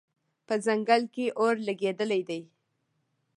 په ځنګل کې اور لګېدلی دی